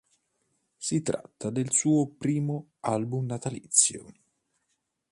Si tratta del suo primo album natalizio.